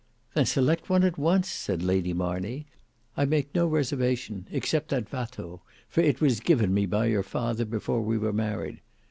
"Then select one at once," said Lady Marney; "I make no reservation, except that Watteau, for it was given me by your father before we were married.